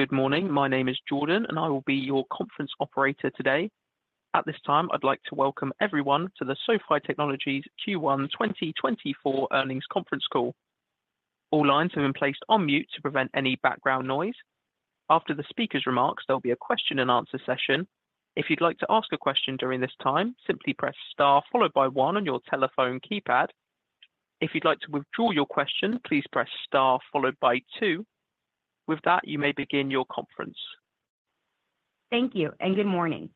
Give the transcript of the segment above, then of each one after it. $Good morning. My name is Jordan, and I will be your conference operator today. At this time, I'd like to welcome everyone to the SoFi Technologies Q1-2024 Earnings Conference Call. All lines have been placed on mute to prevent any background noise. After the speaker's remarks, there'll be a question and answer session. If you'd like to ask a question during this time, simply press star followed by one on your telephone keypad. If you'd like to withdraw your question, please press star followed by two. With that, you may begin your conference. Thank you and good morning.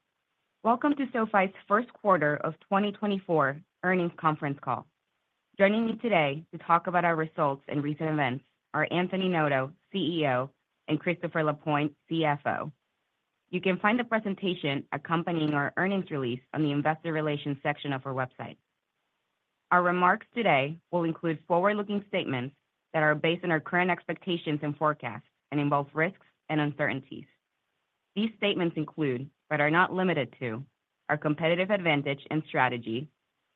Welcome to SoFi's First Quarter of 2024 earnings conference call. Joining me today to talk about our results and recent events are Anthony Noto, CEO, and Christopher Lapointe, CFO. You can find a presentation accompanying our earnings release on the investor relations section of our website. Our remarks today will include forward-looking statements that are based on our current expectations and forecasts and involve risks and uncertainties. These statements include, but are not limited to, our competitive advantage and strategy,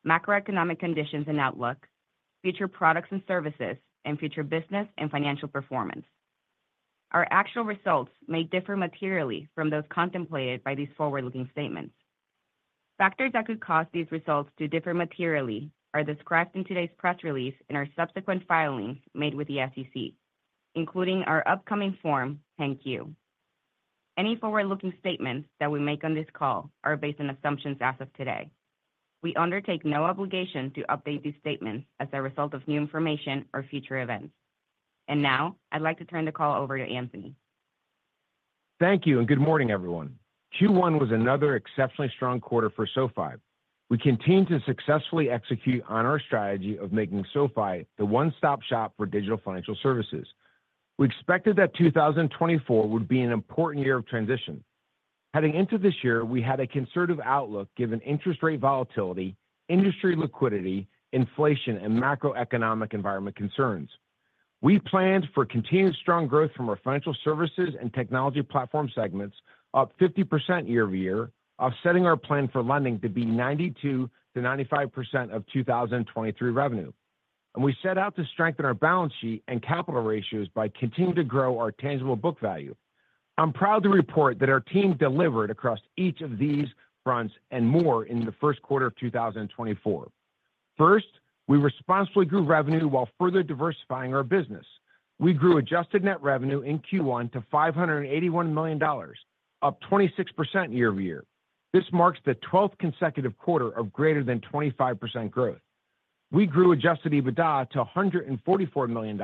macroeconomic conditions and outlook, future products and services, and future business and financial performance. Our actual results may differ materially from those contemplated by these forward-looking statements. Factors that could cause these results to differ materially are described in today's press release and our subsequent filings made with the SEC, including our upcoming Form 10-Q. Any forward-looking statements that we make on this call are based on assumptions as of today. We undertake no obligation to update these statements as a result of new information or future events. And now, I'd like to turn the call over to Anthony. Thank you and good morning, everyone. Q1 was another exceptionally strong quarter for SoFi. We continue to successfully execute on our strategy of making SoFi the one-stop shop for digital financial services. We expected that 2024 would be an important year of transition. Heading into this year, we had a conservative outlook, given interest rate volatility, industry liquidity, inflation, and macroeconomic environment concerns. We planned for continued strong growth from our financial services and technology platform segments, up 50% year-over-year, offsetting our plan for lending to be 92%-95% of 2023 revenue. And we set out to strengthen our balance sheet and capital ratios by continuing to grow our tangible book value. I'm proud to report that our team delivered across each of these fronts and more in the first quarter of 2024. First, we responsibly grew revenue while further diversifying our business. We grew adjusted net revenue in Q1 to $581 million, up 26% year-over-year. This marks the 12th consecutive quarter of greater than 25% growth. We grew adjusted EBITDA to $144 million,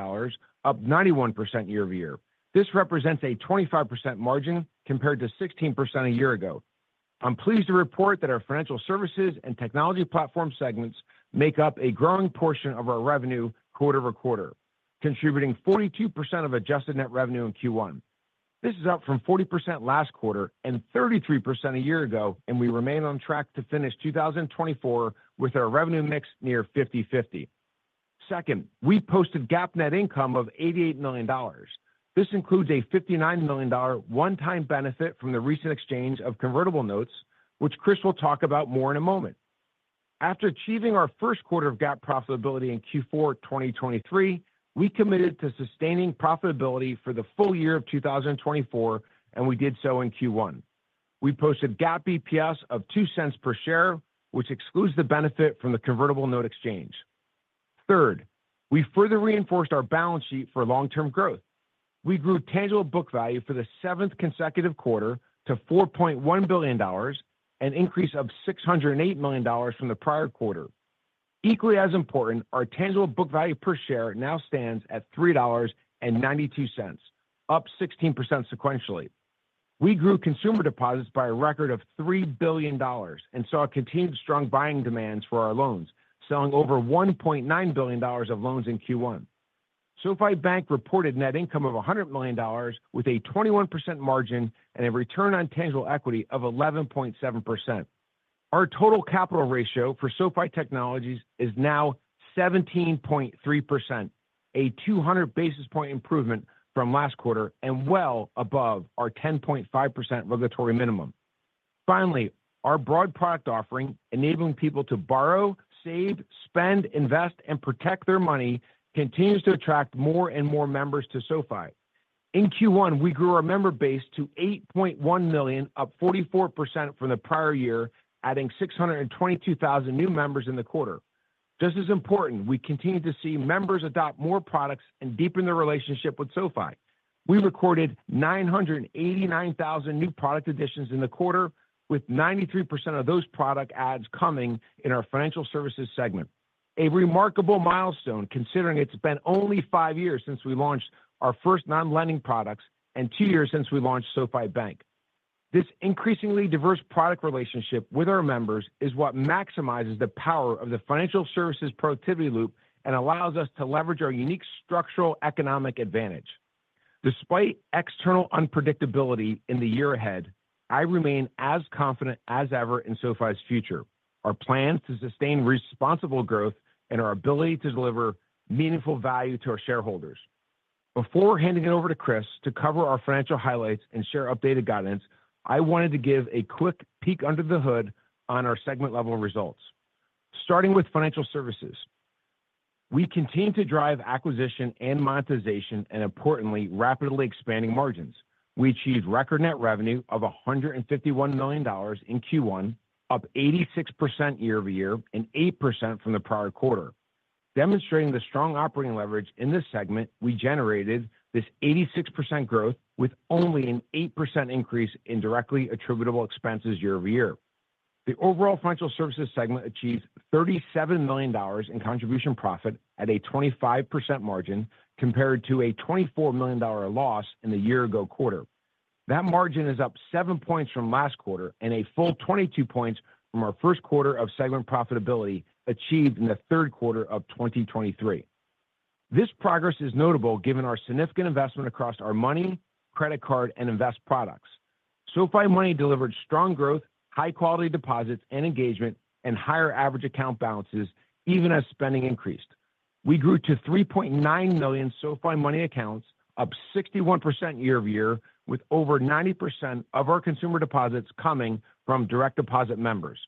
up 91% year-over-year. This represents a 25% margin compared to 16% a year ago. I'm pleased to report that our financial services and technology platform segments make up a growing portion of our revenue quarter-over-quarter, contributing 42% of adjusted net revenue in Q1. This is up from 40% last quarter and 33% a year ago, and we remain on track to finish 2024 with our revenue mix near 50/50. Second, we posted GAAP net income of $88 million. This includes a $59 million one-time benefit from the recent exchange of convertible notes, which Chris will talk about more in a moment. After achieving our first quarter of GAAP profitability in Q4 2023, we committed to sustaining profitability for the full year of 2024, and we did so in Q1. We posted GAAP EPS of $0.02 per share, which excludes the benefit from the convertible note exchange. Third, we further reinforced our balance sheet for long-term growth. We grew tangible book value for the seventh consecutive quarter to $4.1 billion, an increase of $608 million from the prior quarter. Equally as important, our tangible book value per share now stands at $3.92, up 16% sequentially. We grew consumer deposits by a record of $3 billion and saw a continued strong buying demands for our loans, selling over $1.9 billion of loans in Q1. SoFi Bank reported net income of $100 million with a 21% margin and a return on tangible equity of 11.7%. Our total capital ratio for SoFi Technologies is now 17.3%, a 200 basis point improvement from last quarter and well above our 10.5% regulatory minimum. Finally, our broad product offering, enabling people to borrow, save, spend, invest, and protect their money, continues to attract more and more members to SoFi. In Q1, we grew our member base to 8.1 million, up 44% from the prior year, adding 622,000 new members in the quarter. Just as important, we continue to see members adopt more products and deepen their relationship with SoFi. We recorded 989,000 new product additions in the quarter, with 93% of those product adds coming in our financial services segment. A remarkable milestone, considering it's been only 5 years since we launched our first non-lending products and 2 years since we launched SoFi Bank. This increasingly diverse product relationship with our members is what maximizes the power of the financial services productivity loop and allows us to leverage our unique structural economic advantage. Despite external unpredictability in the year ahead, I remain as confident as ever in SoFi's future, our plan to sustain responsible growth, and our ability to deliver meaningful value to our shareholders. Before handing it over to Chris to cover our financial highlights and share updated guidance, I wanted to give a quick peek under the hood on our segment-level results. Starting with financial services.... We continue to drive acquisition and monetization, and importantly, rapidly expanding margins. We achieved record net revenue of $151 million in Q1, up 86% year-over-year and 8% from the prior quarter. Demonstrating the strong operating leverage in this segment, we generated this 86% growth with only an 8% increase in directly attributable expenses year-over-year. The overall financial services segment achieved $37 million in contribution profit at a 25% margin, compared to a $24 million dollar loss in the year-ago quarter. That margin is up 7 points from last quarter and a full 22 points from our first quarter of segment profitability, achieved in the third quarter of 2023. This progress is notable, given our significant investment across our money, credit card, and invest products. SoFi Money delivered strong growth, high-quality deposits and engagement, and higher average account balances, even as spending increased. We grew to 3.9 million SoFi Money accounts, up 61% year-over-year, with over 90% of our consumer deposits coming from direct deposit members.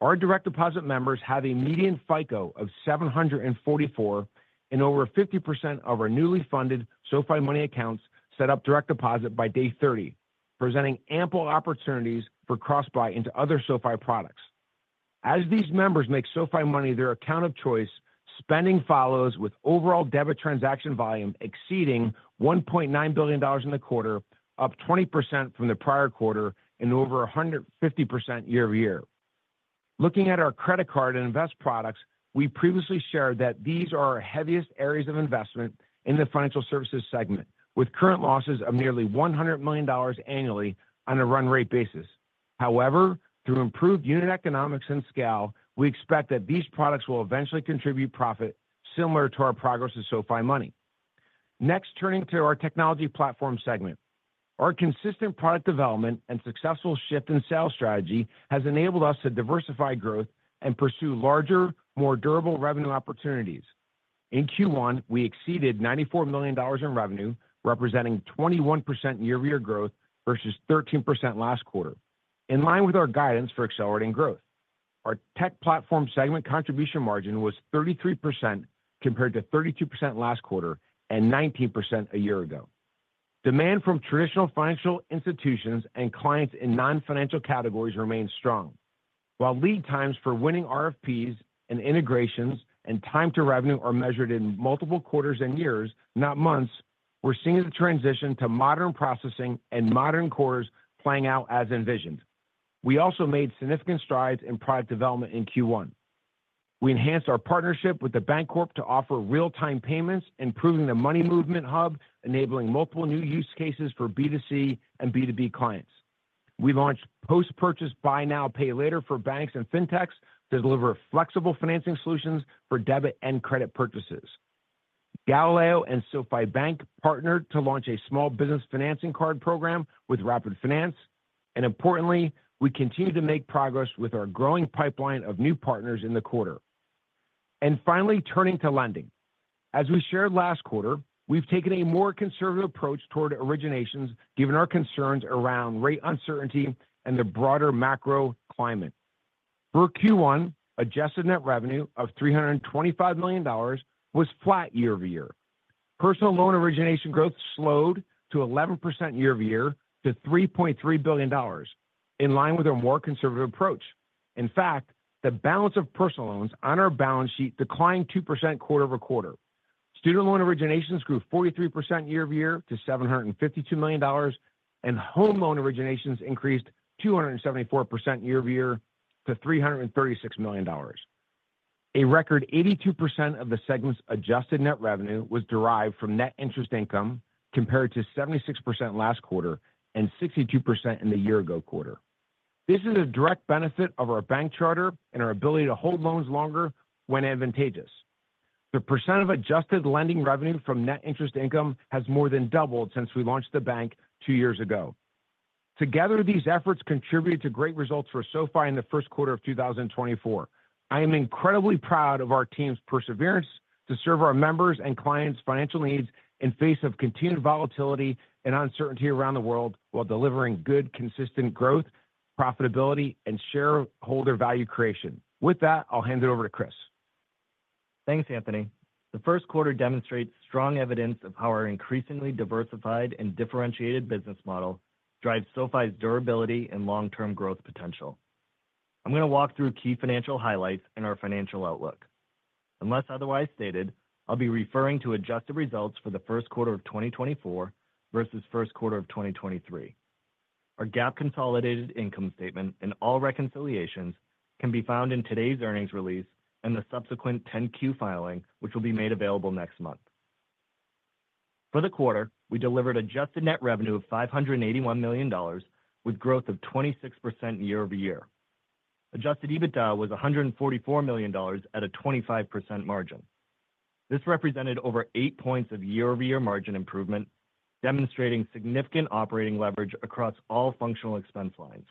Our direct deposit members have a median FICO of 744, and over 50% of our newly funded SoFi Money accounts set up direct deposit by day 30, presenting ample opportunities for cross-buy into other SoFi products. As these members make SoFi Money their account of choice, spending follows, with overall debit transaction volume exceeding $1.9 billion in the quarter, up 20% from the prior quarter and over 150% year-over-year. Looking at our credit card and invest products, we previously shared that these are our heaviest areas of investment in the financial services segment, with current losses of nearly $100 million annually on a run rate basis. However, through improved unit economics and scale, we expect that these products will eventually contribute profit similar to our progress in SoFi Money. Next, turning to our technology platform segment. Our consistent product development and successful shift in sales strategy has enabled us to diversify growth and pursue larger, more durable revenue opportunities. In Q1, we exceeded $94 million in revenue, representing 21% year-over-year growth versus 13% last quarter, in line with our guidance for accelerating growth. Our tech platform segment contribution margin was 33%, compared to 32% last quarter and 19% a year ago. Demand from traditional financial institutions and clients in non-financial categories remains strong. While lead times for winning RFPs and integrations and time to revenue are measured in multiple quarters and years, not months, we're seeing the transition to modern processing and modern cores playing out as envisioned. We also made significant strides in product development in Q1. We enhanced our partnership with The Bancorp to offer real-time payments, improving the money movement hub, enabling multiple new use cases for B2C and B2B clients. We launched post-purchase buy now, pay later for banks and fintechs to deliver flexible financing solutions for debit and credit purchases. Galileo and SoFi Bank partnered to launch a small business financing card program with Rapid Finance, and importantly, we continued to make progress with our growing pipeline of new partners in the quarter. And finally, turning to lending. As we shared last quarter, we've taken a more conservative approach toward originations, given our concerns around rate uncertainty and the broader macro climate. For Q1, adjusted net revenue of $325 million was flat year-over-year. Personal loan origination growth slowed to 11% year-over-year, to $3.3 billion, in line with our more conservative approach. In fact, the balance of personal loans on our balance sheet declined 2% quarter-over-quarter. Student loan originations grew 43% year-over-year to $752 million, and home loan originations increased 274% year-over-year to $336 million. A record 82% of the segment's adjusted net revenue was derived from net interest income, compared to 76% last quarter and 62% in the year-ago quarter. This is a direct benefit of our bank charter and our ability to hold loans longer when advantageous. The percent of adjusted lending revenue from net interest income has more than doubled since we launched the bank 2 years ago. Together, these efforts contributed to great results for SoFi in the first quarter of 2024. I am incredibly proud of our team's perseverance to serve our members' and clients' financial needs in face of continued volatility and uncertainty around the world, while delivering good, consistent growth, profitability, and shareholder value creation. With that, I'll hand it over to Chris. Thanks, Anthony. The first quarter demonstrates strong evidence of how our increasingly diversified and differentiated business model drives SoFi's durability and long-term growth potential. I'm going to walk through key financial highlights and our financial outlook. Unless otherwise stated, I'll be referring to adjusted results for the first quarter of 2024 versus first quarter of 2023. Our GAAP consolidated income statement and all reconciliations can be found in today's earnings release and the subsequent 10-Q filing, which will be made available next month. For the quarter, we delivered adjusted net revenue of $581 million, with growth of 26% year-over-year. Adjusted EBITDA was $144 million at a 25% margin. This represented over 8 points of year-over-year margin improvement, demonstrating significant operating leverage across all functional expense lines.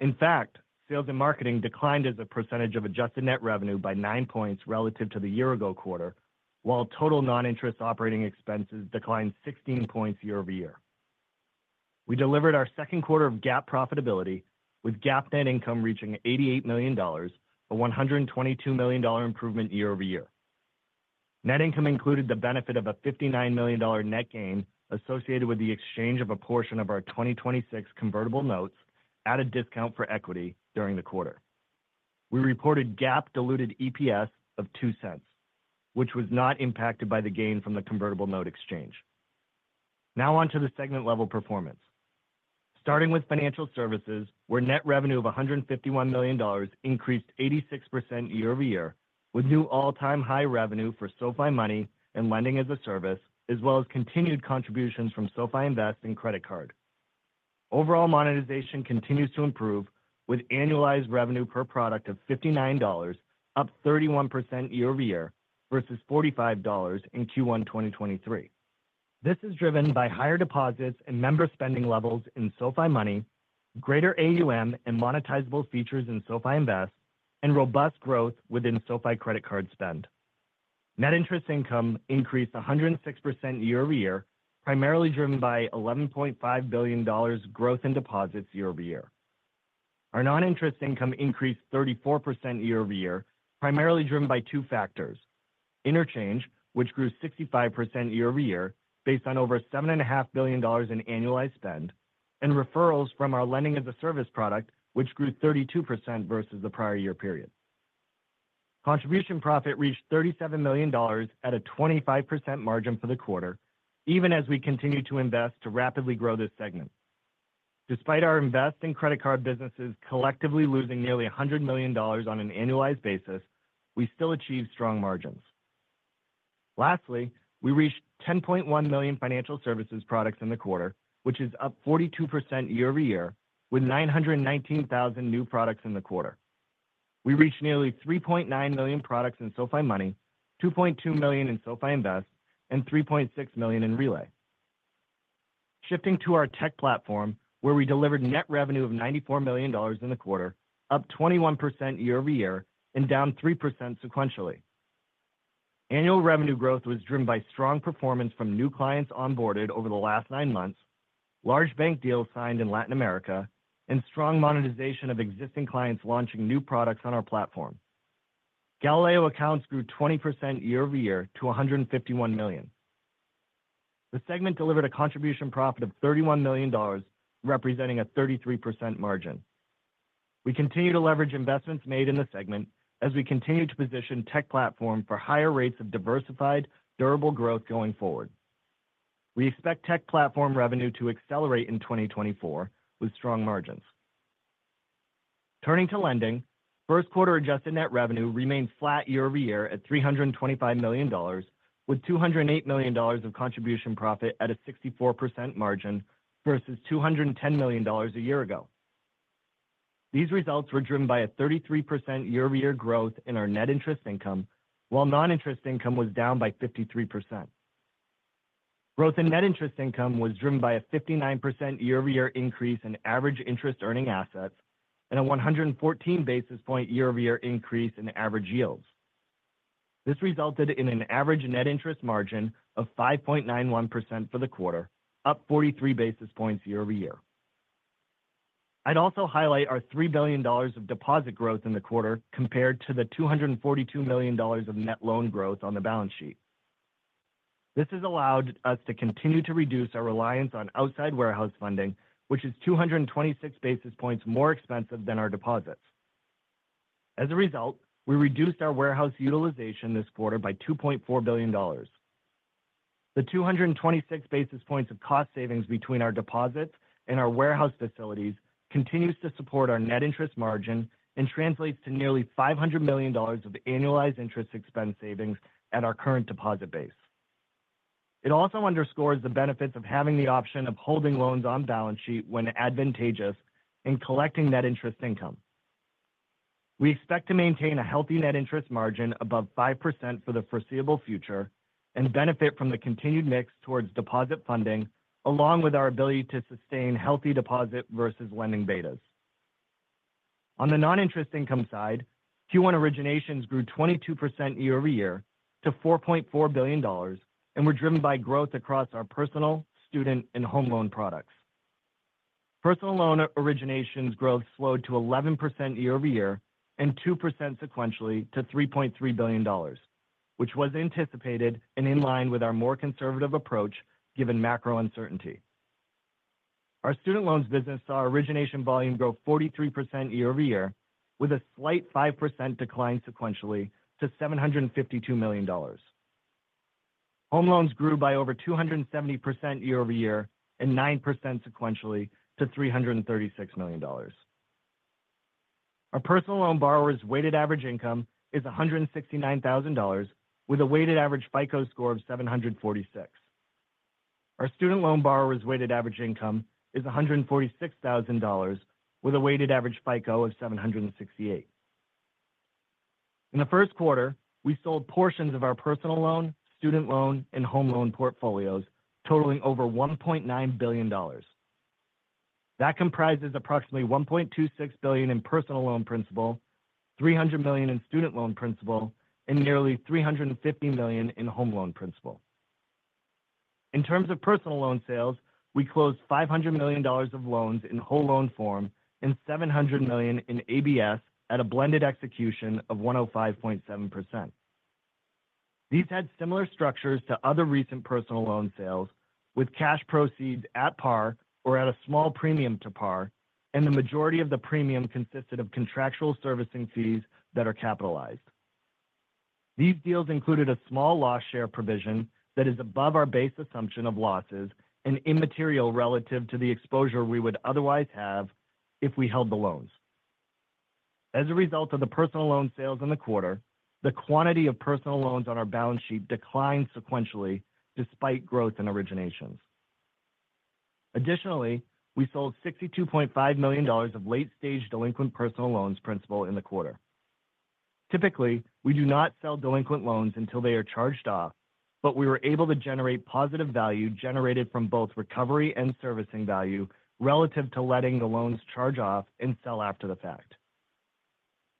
In fact, sales and marketing declined as a percentage of adjusted net revenue by 9 points relative to the year-ago quarter, while total non-interest operating expenses declined 16 points year-over-year. We delivered our second quarter of GAAP profitability, with GAAP net income reaching $88 million, a $122 million improvement year-over-year. Net income included the benefit of a $59 million net gain associated with the exchange of a portion of our 2026 convertible notes at a discount for equity during the quarter. We reported GAAP diluted EPS of $0.02, which was not impacted by the gain from the convertible note exchange. Now on to the segment-level performance. Starting with financial services, where net revenue of $151 million increased 86% year-over-year, with new all-time high revenue for SoFi Money and Lending as a Service, as well as continued contributions from SoFi Invest and Credit Card. Overall monetization continues to improve, with annualized revenue per product of $59, up 31% year-over-year, versus $45 in Q1 2023. This is driven by higher deposits and member spending levels in SoFi Money, greater AUM and monetizable features in SoFi Invest, and robust growth within SoFi Credit Card spend. Net interest income increased 106% year-over-year, primarily driven by $11.5 billion growth in deposits year-over-year. Our non-interest income increased 34% year-over-year, primarily driven by two factors: interchange, which grew 65% year-over-year, based on over $7.5 billion in annualized spend, and referrals from our Lending as a Service product, which grew 32% versus the prior year period. Contribution Profit reached $37 million at a 25% margin for the quarter, even as we continue to invest to rapidly grow this segment. Despite our Invest and Credit Card businesses collectively losing nearly $100 million on an annualized basis, we still achieved strong margins. Lastly, we reached 10.1 million financial services products in the quarter, which is up 42% year-over-year, with 919,000 new products in the quarter. We reached nearly 3.9 million products in SoFi Money, 2.2 million in SoFi Invest, and 3.6 million in Relay. Shifting to our tech platform, where we delivered net revenue of $94 million in the quarter, up 21% year-over-year and down 3% sequentially. Annual revenue growth was driven by strong performance from new clients onboarded over the last nine months, large bank deals signed in Latin America, and strong monetization of existing clients launching new products on our platform. Galileo accounts grew 20% year-over-year to 151 million. The segment delivered a contribution profit of $31 million, representing a 33% margin. We continue to leverage investments made in the segment as we continue to position tech platform for higher rates of diversified, durable growth going forward. We expect tech platform revenue to accelerate in 2024 with strong margins. Turning to lending, first quarter adjusted net revenue remained flat year-over-year at $325 million, with $208 million of contribution profit at a 64% margin versus $210 million a year ago. These results were driven by a 33% year-over-year growth in our net interest income, while non-interest income was down by 53%. Growth in net interest income was driven by a 59% year-over-year increase in average interest earning assets and a 114 basis point year-over-year increase in average yields. This resulted in an average net interest margin of 5.91% for the quarter, up 43 basis points year-over-year. I'd also highlight our $3 billion of deposit growth in the quarter compared to the $242 million of net loan growth on the balance sheet. This has allowed us to continue to reduce our reliance on outside warehouse funding, which is 226 basis points more expensive than our deposits. As a result, we reduced our warehouse utilization this quarter by $2.4 billion. The 226 basis points of cost savings between our deposits and our warehouse facilities continues to support our net interest margin and translates to nearly $500 million of annualized interest expense savings at our current deposit base. It also underscores the benefits of having the option of holding loans on balance sheet when advantageous and collecting net interest income. We expect to maintain a healthy net interest margin above 5% for the foreseeable future and benefit from the continued mix towards deposit funding, along with our ability to sustain healthy deposit versus lending betas. On the non-interest income side, Q1 originations grew 22% year-over-year to $4.4 billion and were driven by growth across our personal, student, and home loan products. Personal loan originations growth slowed to 11% year-over-year and 2% sequentially to $3.3 billion, which was anticipated and in line with our more conservative approach, given macro uncertainty. Our student loans business saw origination volume grow 43% year-over-year, with a slight 5% decline sequentially to $752 million. Home loans grew by over 270% year-over-year and 9% sequentially to $336 million. Our personal loan borrowers' weighted average income is $169,000, with a weighted average FICO score of 746. Our student loan borrowers' weighted average income is $146,000, with a weighted average FICO of 768. In the first quarter, we sold portions of our personal loan, student loan, and home loan portfolios totaling over $1.9 billion. That comprises approximately $1.26 billion in personal loan principal, $300 million in student loan principal, and nearly $350 million in home loan principal. In terms of personal loan sales, we closed $500 million of loans in whole loan form and $700 million in ABS at a blended execution of 105.7%. These had similar structures to other recent personal loan sales, with cash proceeds at par or at a small premium to par, and the majority of the premium consisted of contractual servicing fees that are capitalized. These deals included a small loss share provision that is above our base assumption of losses and immaterial relative to the exposure we would otherwise have if we held the loans. As a result of the personal loan sales in the quarter, the quantity of personal loans on our balance sheet declined sequentially, despite growth in originations. Additionally, we sold $62.5 million of late-stage delinquent personal loans principal in the quarter. Typically, we do not sell delinquent loans until they are charged off, but we were able to generate positive value generated from both recovery and servicing value relative to letting the loans charge off and sell after the fact.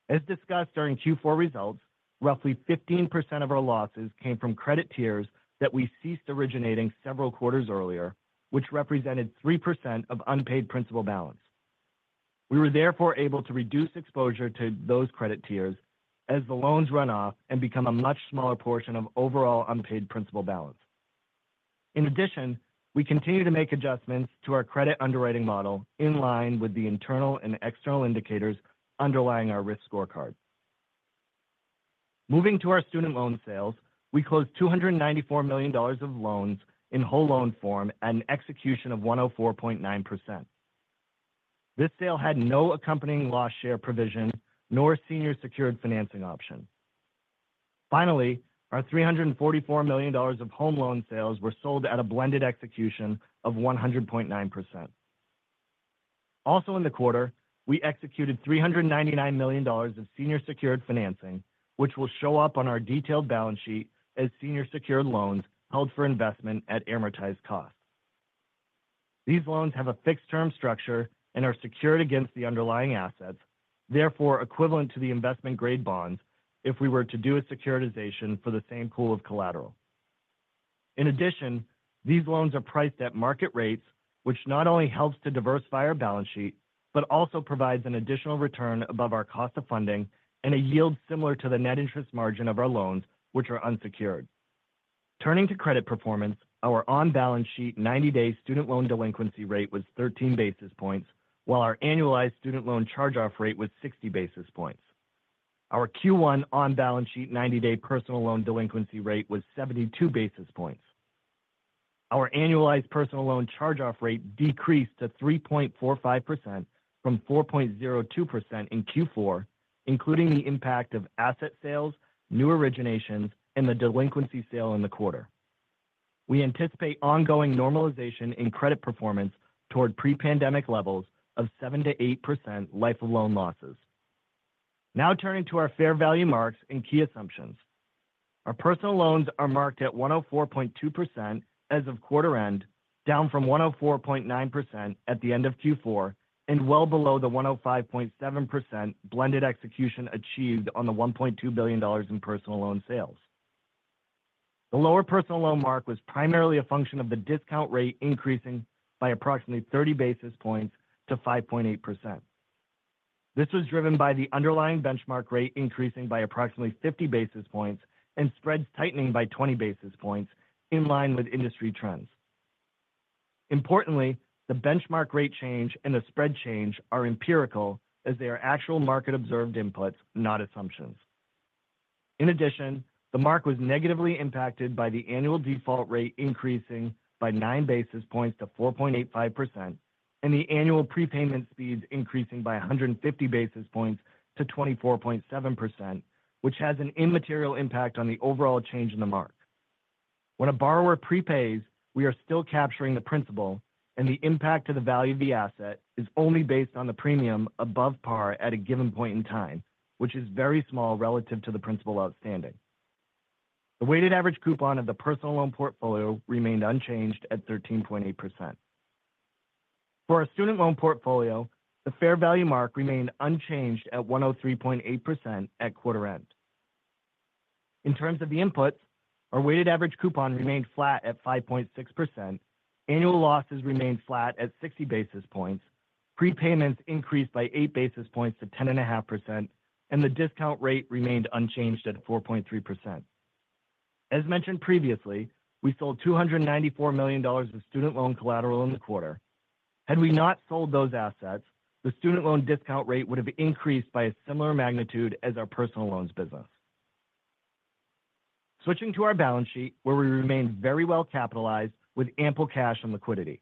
As discussed during Q4 results, roughly 15% of our losses came from credit tiers that we ceased originating several quarters earlier, which represented 3% of unpaid principal balance. We were therefore able to reduce exposure to those credit tiers as the loans run off and become a much smaller portion of overall unpaid principal balance. In addition, we continue to make adjustments to our credit underwriting model in line with the internal and external indicators underlying our risk scorecard. Moving to our student loan sales, we closed $294 million of loans in whole loan form at an execution of 104.9%. This sale had no accompanying loss share provision nor senior secured financing option. Finally, our $344 million of home loan sales were sold at a blended execution of 100.9%. Also in the quarter, we executed $399 million of senior secured financing, which will show up on our detailed balance sheet as senior secured loans held for investment at amortized cost. These loans have a fixed-term structure and are secured against the underlying assets, therefore equivalent to the investment-grade bonds if we were to do a securitization for the same pool of collateral. In addition, these loans are priced at market rates, which not only helps to diversify our balance sheet, but also provides an additional return above our cost of funding and a yield similar to the net interest margin of our loans, which are unsecured. Turning to credit performance, our on-balance sheet 90-day student loan delinquency rate was 13 basis points, while our annualized student loan charge-off rate was 60 basis points. Our Q1 on-balance sheet 90-day personal loan delinquency rate was 72 basis points. Our annualized personal loan charge-off rate decreased to 3.45% from 4.02% in Q4, including the impact of asset sales, new originations, and the delinquency sale in the quarter. We anticipate ongoing normalization in credit performance toward pre-pandemic levels of 7%-8% life of loan losses. Now turning to our fair value marks and key assumptions. Our personal loans are marked at 104.2% as of quarter end, down from 104.9% at the end of Q4, and well below the 105.7% blended execution achieved on the $1.2 billion in personal loan sales. The lower personal loan mark was primarily a function of the discount rate increasing by approximately 30 basis points to 5.8%. This was driven by the underlying benchmark rate increasing by approximately 50 basis points and spreads tightening by 20 basis points in line with industry trends. Importantly, the benchmark rate change and the spread change are empirical as they are actual market-observed inputs, not assumptions. In addition, the mark was negatively impacted by the annual default rate increasing by 9 basis points to 4.85%, and the annual prepayment speeds increasing by 150 basis points to 24.7%, which has an immaterial impact on the overall change in the mark. When a borrower prepays, we are still capturing the principal, and the impact to the value of the asset is only based on the premium above par at a given point in time, which is very small relative to the principal outstanding. The weighted average coupon of the personal loan portfolio remained unchanged at 13.8%. For our student loan portfolio, the fair value mark remained unchanged at 103.8% at quarter end. In terms of the inputs, our weighted average coupon remained flat at 5.6%. Annual losses remained flat at 60 basis points. Prepayments increased by 8 basis points to 10.5%, and the discount rate remained unchanged at 4.3%. As mentioned previously, we sold $294 million of student loan collateral in the quarter. Had we not sold those assets, the student loan discount rate would have increased by a similar magnitude as our personal loans business. Switching to our balance sheet, where we remain very well capitalized with ample cash and liquidity.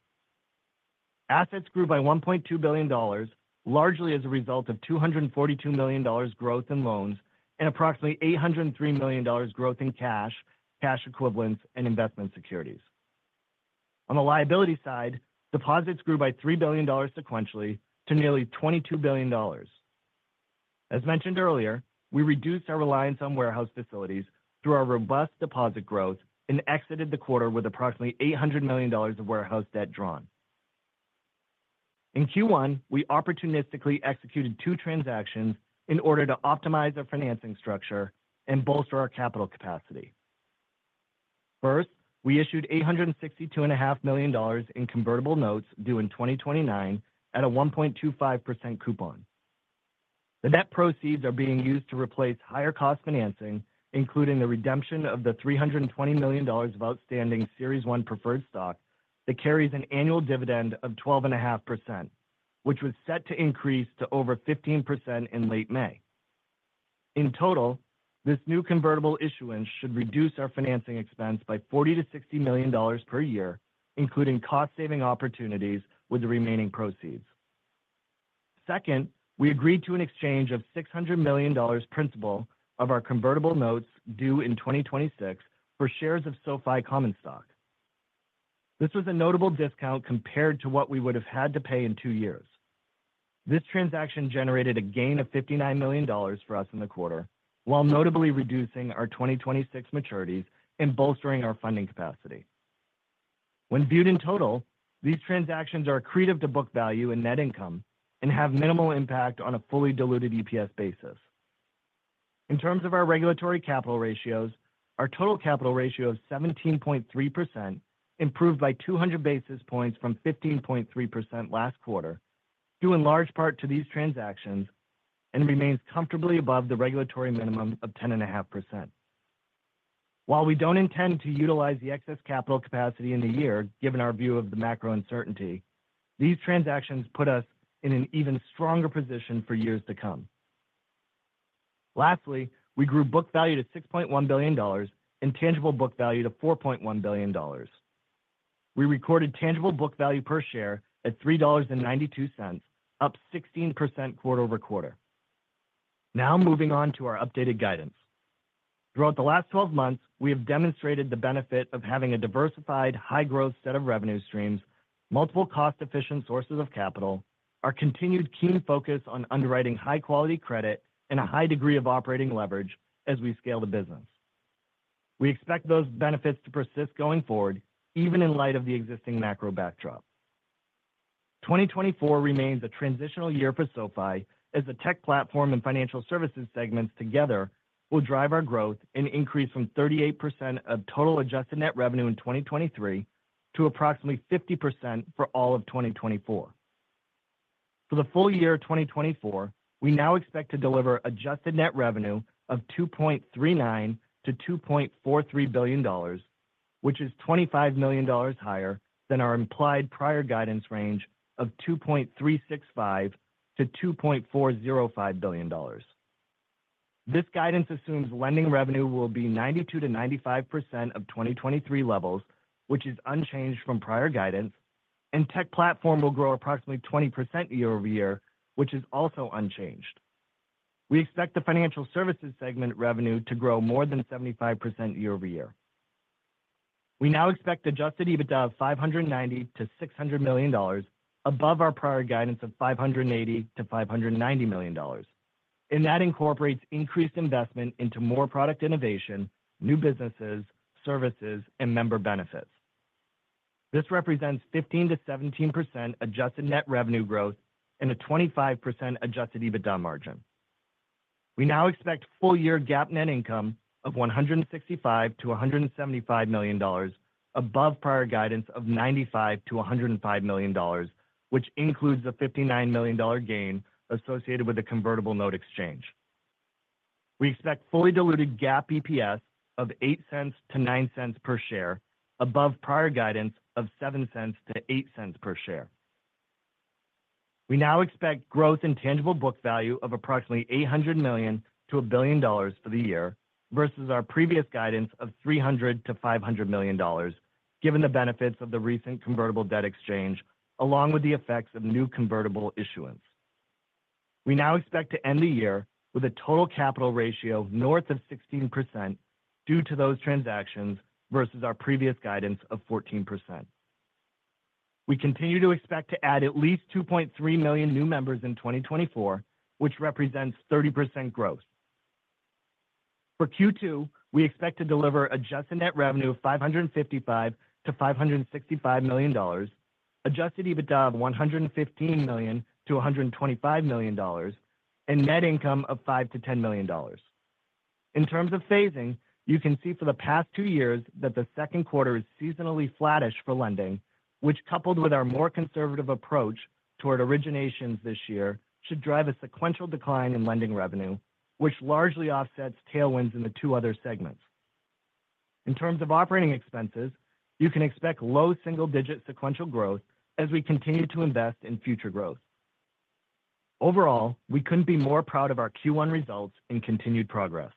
Assets grew by $1.2 billion, largely as a result of $242 million growth in loans and approximately $803 million growth in cash, cash equivalents, and investment securities. On the liability side, deposits grew by $3 billion sequentially to nearly $22 billion. As mentioned earlier, we reduced our reliance on warehouse facilities through our robust deposit growth and exited the quarter with approximately $800 million of warehouse debt drawn. In Q1, we opportunistically executed two transactions in order to optimize our financing structure and bolster our capital capacity. First, we issued $862.5 million in convertible notes due in 2029 at a 1.25% coupon. The net proceeds are being used to replace higher cost financing, including the redemption of the $320 million of outstanding Series One preferred stock, that carries an annual dividend of 12.5%, which was set to increase to over 15% in late May. In total, this new convertible issuance should reduce our financing expense by $40 million-$60 million per year, including cost-saving opportunities with the remaining proceeds. Second, we agreed to an exchange of $600 million principal of our convertible notes due in 2026 for shares of SoFi common stock. This was a notable discount compared to what we would have had to pay in two years. This transaction generated a gain of $59 million for us in the quarter, while notably reducing our 2026 maturities and bolstering our funding capacity. When viewed in total, these transactions are accretive to book value and net income and have minimal impact on a fully diluted EPS basis. In terms of our regulatory capital ratios, our total capital ratio of 17.3% improved by 200 basis points from 15.3% last quarter, due in large part to these transactions, and remains comfortably above the regulatory minimum of 10.5%. While we don't intend to utilize the excess capital capacity in the year, given our view of the macro uncertainty, these transactions put us in an even stronger position for years to come. Lastly, we grew book value to $6.1 billion and tangible book value to $4.1 billion. We recorded tangible book value per share at $3.92, up 16% quarter-over-quarter. Now moving on to our updated guidance. Throughout the last 12 months, we have demonstrated the benefit of having a diversified, high-growth set of revenue streams, multiple cost-efficient sources of capital, our continued keen focus on underwriting high-quality credit and a high degree of operating leverage as we scale the business. We expect those benefits to persist going forward, even in light of the existing macro backdrop. 2024 remains a transitional year for SoFi, as the tech platform and financial services segments together will drive our growth and increase from 38% of total Adjusted Net Revenue in 2023 to approximately 50% for all of 2024. For the full year of 2024, we now expect to deliver adjusted net revenue of $2.39 billion-$2.43 billion, which is $25 million higher than our implied prior guidance range of $2.365 billion-$2.405 billion. This guidance assumes lending revenue will be 92%-95% of 2023 levels, which is unchanged from prior guidance, and tech platform will grow approximately 20% year-over-year, which is also unchanged. We expect the financial services segment revenue to grow more than 75% year-over-year. We now expect adjusted EBITDA of $590 million-$600 million above our prior guidance of $580 million-$590 million, and that incorporates increased investment into more product innovation, new businesses, services, and member benefits. This represents 15%-17% adjusted net revenue growth and a 25% adjusted EBITDA margin. We now expect full-year GAAP net income of $165 million-$175 million above prior guidance of $95 million-$105 million, which includes a $59 million gain associated with the convertible note exchange. We expect fully diluted GAAP EPS of $0.08 - $0.09 per share, above prior guidance of $0.07 -$0.08 per share. We now expect growth in tangible book value of approximately $800 million-$1 billion for the year versus our previous guidance of $300 million-$500 million, given the benefits of the recent convertible debt exchange, along with the effects of new convertible issuance. We now expect to end the year with a total capital ratio of north of 16% due to those transactions, versus our previous guidance of 14%. We continue to expect to add at least 2.3 million new members in 2024, which represents 30% growth. For Q2, we expect to deliver adjusted net revenue of $555 million-$565 million, adjusted EBITDA of $115 million-$125 million, and net income of $5 million-$10 million. In terms of phasing, you can see for the past two years that the second quarter is seasonally flattish for lending, which, coupled with our more conservative approach toward originations this year, should drive a sequential decline in lending revenue, which largely offsets tailwinds in the two other segments. In terms of operating expenses, you can expect low single-digit sequential growth as we continue to invest in future growth. Overall, we couldn't be more proud of our Q1 results and continued progress.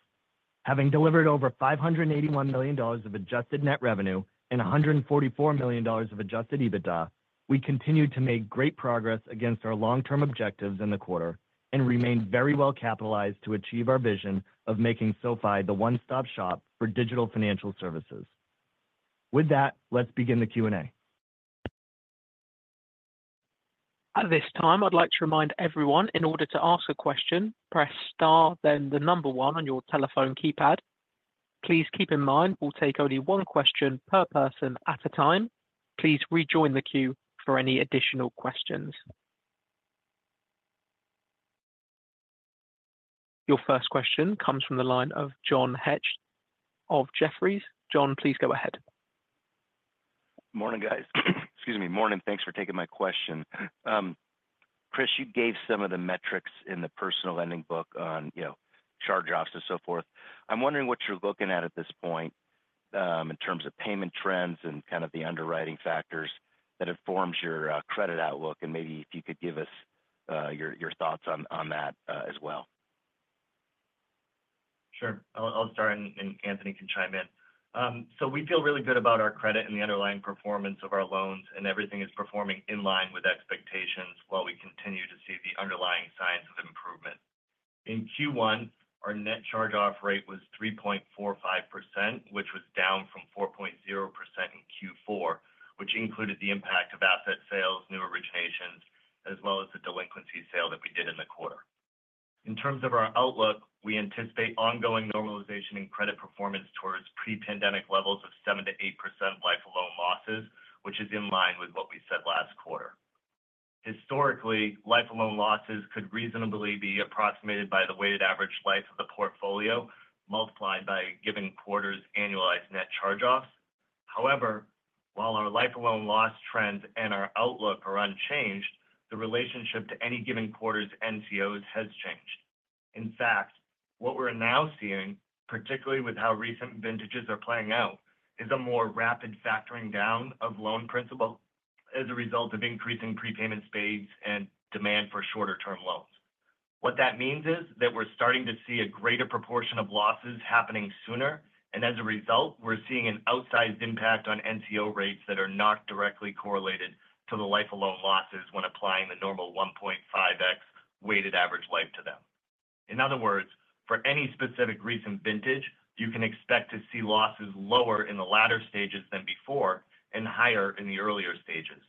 Having delivered over $581 million of adjusted net revenue and $144 million of adjusted EBITDA, we continue to make great progress against our long-term objectives in the quarter and remain very well capitalized to achieve our vision of making SoFi the one-stop shop for digital financial services. With that, let's begin the Q&A. At this time, I'd like to remind everyone, in order to ask a question, press star, then the number one on your telephone keypad. Please keep in mind, we'll take only one question per person at a time. Please rejoin the queue for any additional questions. Your first question comes from the line of John Hecht of Jefferies. John, please go ahead. Morning, guys. Excuse me. Morning. Thanks for taking my question. Chris, you gave some of the metrics in the personal lending book on, you know, charge-offs and so forth. I'm wondering what you're looking at at this point, in terms of payment trends and kind of the underwriting factors that informs your credit outlook, and maybe if you could give us your thoughts on that as well. Sure. I'll, I'll start, and, and Anthony can chime in. So we feel really good about our credit and the underlying performance of our loans, and everything is performing in line with expectations, while we continue to see the underlying signs of improvement. In Q1, our net charge-off rate was 3.45%, which was down from 4.0% in Q4, which included the impact of asset sales, new originations, as well as the delinquency sale that we did in the quarter. In terms of our outlook, we anticipate ongoing normalization in credit performance towards pre-pandemic levels of 7%-8% life of loan losses, which is in line with what we said last quarter. Historically, life of loan losses could reasonably be approximated by the weighted average life of the portfolio, multiplied by a given quarter's annualized net charge-offs. However, while our life of loan loss trends and our outlook are unchanged, the relationship to any given quarter's NCOs has changed. In fact, what we're now seeing, particularly with how recent vintages are playing out, is a more rapid factoring down of loan principal as a result of increasing prepayment speeds and demand for shorter-term loans. What that means is that we're starting to see a greater proportion of losses happening sooner, and as a result, we're seeing an outsized impact on NCO rates that are not directly correlated to the life of loan losses when applying the normal 1.5x weighted average life to them. In other words, for any specific recent vintage, you can expect to see losses lower in the latter stages than before and higher in the earlier stages.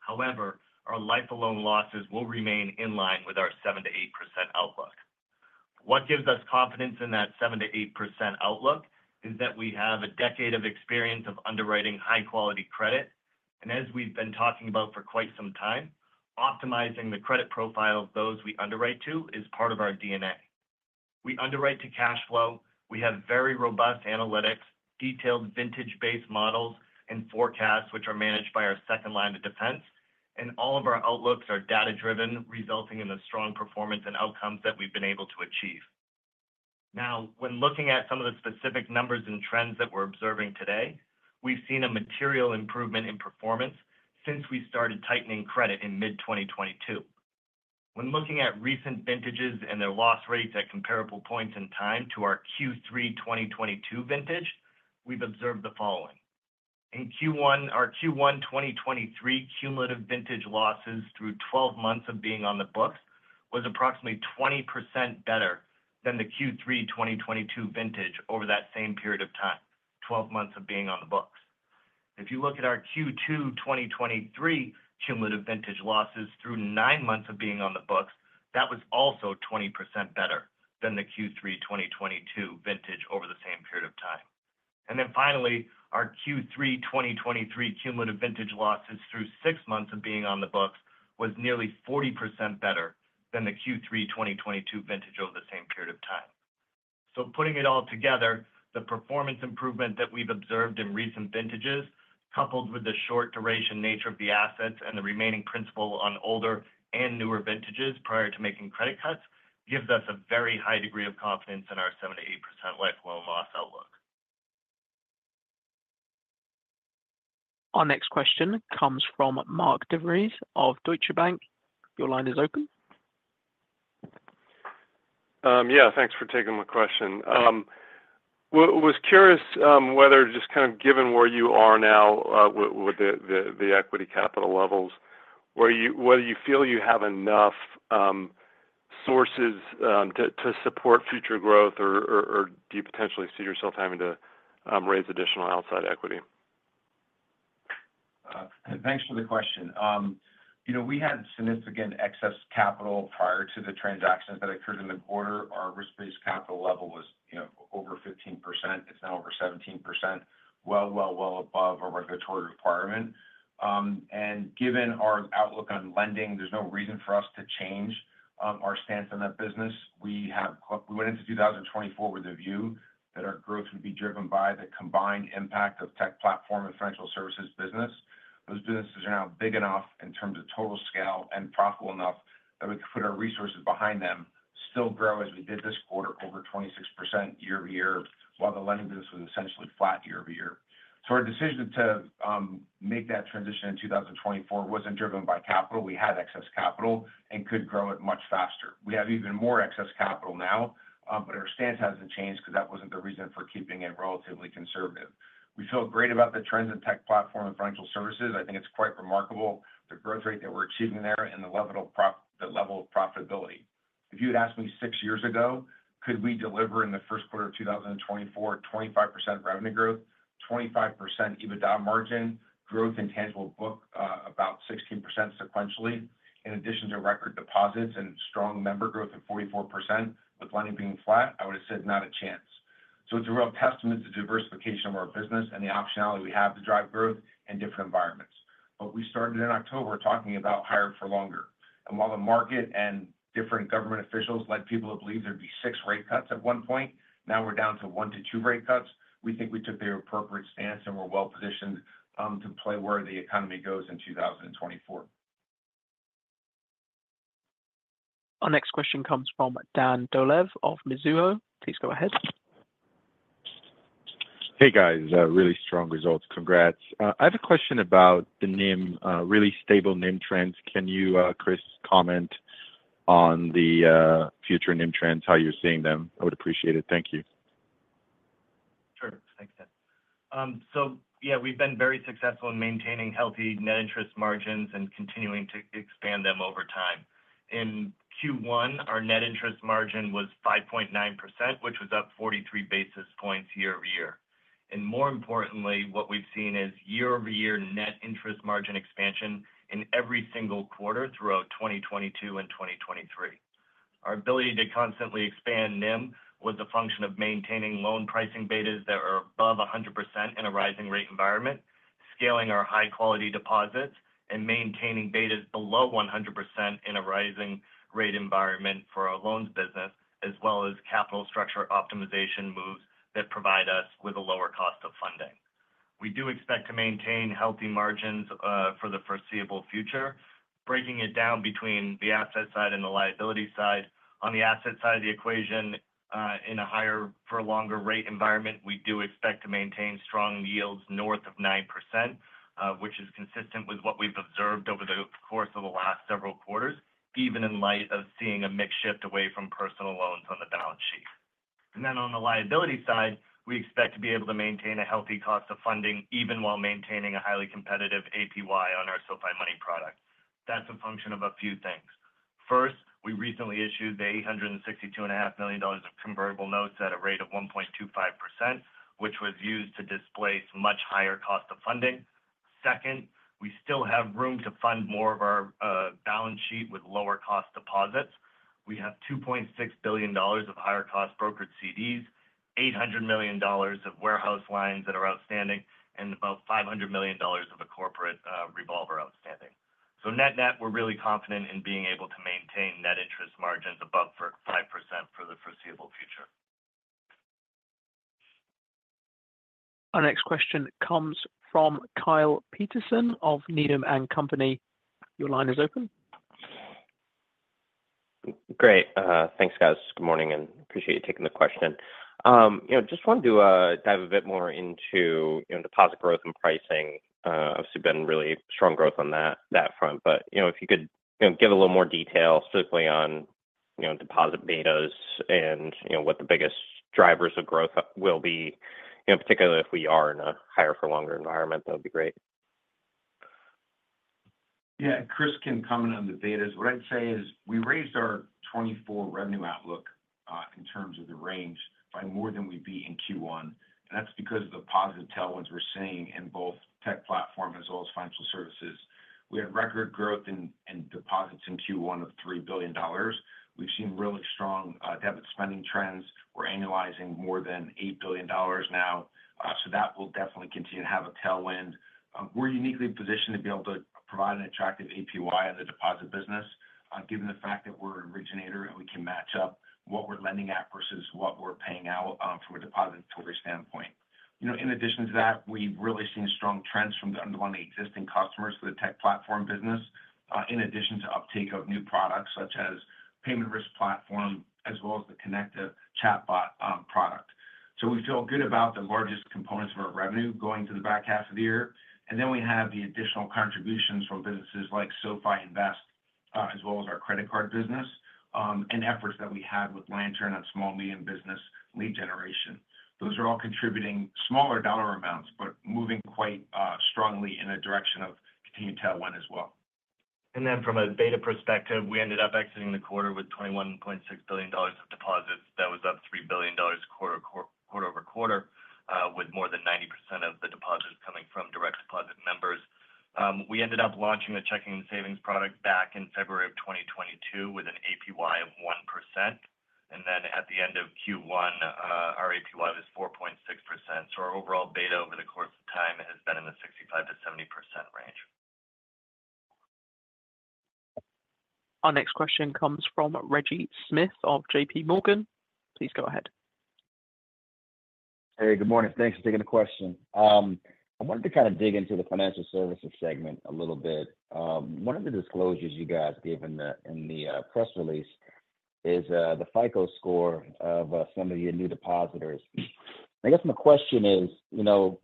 However, our life of loan losses will remain in line with our 7%-8% outlook. What gives us confidence in that 7%-8% outlook is that we have a decade of experience of underwriting high-quality credit, and as we've been talking about for quite some time, optimizing the credit profile of those we underwrite to is part of our DNA. We underwrite to cash flow. We have very robust analytics, detailed vintage-based models and forecasts, which are managed by our second line of defense, and all of our outlooks are data-driven, resulting in the strong performance and outcomes that we've been able to achieve. Now, when looking at some of the specific numbers and trends that we're observing today, we've seen a material improvement in performance since we started tightening credit in mid-2022. When looking at recent vintages and their loss rates at comparable points in time to our Q3 2022 vintage, we've observed the following: In Q1, our Q1 2023 cumulative vintage losses through 12 months of being on the books was approximately 20% better than the Q3 2022 vintage over that same period of time, 12 months of being on the books. If you look at our Q2 2023 cumulative vintage losses through 9 months of being on the books, that was also 20% better than the Q3 2022 vintage over the same period of time. And then finally, our Q3 2023 cumulative vintage losses through 6 months of being on the books was nearly 40% better than the Q3 2022 vintage over the same period of time. So putting it all together, the performance improvement that we've observed in recent vintages, coupled with the short duration nature of the assets and the remaining principal on older and newer vintages prior to making credit cuts, gives us a very high degree of confidence in our 7%-8% life loan loss outlook. Our next question comes from Mark DeVries of Deutsche Bank. Your line is open. Yeah, thanks for taking my question. Was curious whether just kind of given where you are now with the equity capital levels, where you feel you have enough sources to support future growth or do you potentially see yourself having to raise additional outside equity? Thanks for the question. You know, we had significant excess capital prior to the transactions that occurred in the quarter. Our risk-based capital level was, you know, over 15%. It's now over 17%. Well above our regulatory requirement. And given our outlook on lending, there's no reason for us to change our stance on that business. We went into 2024 with a view that our growth would be driven by the combined impact of tech platform and financial services business. Those businesses are now big enough in terms of total scale and profitable enough that we can put our resources behind them, still grow, as we did this quarter, over 26% year-over-year, while the lending business was essentially flat year-over-year. Our decision to make that transition in 2024 wasn't driven by capital. We had excess capital and could grow it much faster. We have even more excess capital now, but our stance hasn't changed because that wasn't the reason for keeping it relatively conservative. We feel great about the trends in tech platform and financial services. I think it's quite remarkable, the growth rate that we're achieving there and the level of profitability.... if you had asked me six years ago, could we deliver in the first quarter of 2024, 25% revenue growth, 25% EBITDA margin growth in tangible book, about 16% sequentially, in addition to record deposits and strong member growth of 44%, with lending being flat? I would have said, "Not a chance." So it's a real testament to diversification of our business and the optionality we have to drive growth in different environments. But we started in October talking about higher for longer. And while the market and different government officials led people to believe there'd be six rate cuts at one point, now we're down to one-two rate cuts. We think we took the appropriate stance, and we're well-positioned to play where the economy goes in 2024. Our next question comes from Dan Dolev of Mizuho. Please go ahead. Hey, guys. Really strong results. Congrats. I have a question about the NIM, really stable NIM trends. Can you, Chris, comment on the future NIM trends, how you're seeing them? I would appreciate it. Thank you. Sure. Thanks, Dan. So yeah, we've been very successful in maintaining healthy net interest margins and continuing to expand them over time. In Q1, our net interest margin was 5.9%, which was up 43 basis points year-over-year. More importantly, what we've seen is year-over-year net interest margin expansion in every single quarter throughout 2022 and 2023. Our ability to constantly expand NIM was a function of maintaining loan pricing betas that are above 100% in a rising rate environment, scaling our high-quality deposits, and maintaining betas below 100% in a rising rate environment for our loans business, as well as capital structure optimization moves that provide us with a lower cost of funding. We do expect to maintain healthy margins for the foreseeable future, breaking it down between the asset side and the liability side. On the asset side of the equation, in a higher for a longer rate environment, we do expect to maintain strong yields north of 9%, which is consistent with what we've observed over the course of the last several quarters, even in light of seeing a mix shift away from personal loans on the balance sheet. And then on the liability side, we expect to be able to maintain a healthy cost of funding, even while maintaining a highly competitive APY on our SoFi Money product. That's a function of a few things. First, we recently issued $862.5 million of convertible notes at a rate of 1.25%, which was used to displace much higher cost of funding. Second, we still have room to fund more of our balance sheet with lower-cost deposits. We have $2.6 billion of higher-cost brokered CDs, $800 million of warehouse lines that are outstanding, and about $500 million of a corporate revolver outstanding. So net-net, we're really confident in being able to maintain net interest margins above 4.5% for the foreseeable future. Our next question comes from Kyle Peterson of Needham and Company. Your line is open. Great. Thanks, guys. Good morning, and appreciate you taking the question. You know, just wanted to dive a bit more into, you know, deposit growth and pricing. Obviously, been really strong growth on that front, but, you know, if you could, you know, give a little more detail specifically on, you know, deposit betas and, you know, what the biggest drivers of growth will be, you know, particularly if we are in a higher for longer environment, that would be great. Yeah. Chris can comment on the betas. What I'd say is we raised our 2024 revenue outlook, in terms of the range by more than we'd be in Q1, and that's because of the positive tailwinds we're seeing in both tech platform as well as financial services. We had record growth in deposits in Q1 of $3 billion. We've seen really strong debit spending trends. We're annualizing more than $8 billion now. So that will definitely continue to have a tailwind. We're uniquely positioned to be able to provide an attractive APY on the deposit business, given the fact that we're an originator, and we can match up what we're lending at versus what we're paying out, from a depository standpoint. You know, in addition to that, we've really seen strong trends from the underlying existing customers for the tech platform business, in addition to uptake of new products, such as Payment Risk Platform, as well as the Konecta chatbot product. So we feel good about the largest components of our revenue going to the back half of the year. And then we have the additional contributions from businesses like SoFi Invest, as well as our credit card business, and efforts that we had with Lantern on small medium business lead generation. Those are all contributing smaller dollar amounts, but moving quite, strongly in a direction of continued tailwind as well. Then from a beta perspective, we ended up exiting the quarter with $21.6 billion of deposits. That was up $3 billion quarter-over-quarter, with more than 90% of the deposits coming from direct deposit members. We ended up launching the checking and savings product back in February 2022, with an APY of 1%, and then at the end of Q1, our APY was 4.6%. So our overall beta over the course of time has been in the 65%-70% range. Our next question comes from Reggie Smith of JPMorgan. Please go ahead. Hey, good morning. Thanks for taking the question. I wanted to kind of dig into the financial services segment a little bit. One of the disclosures you guys gave in the press release is the FICO score of some of your new depositors. I guess my question is, you know,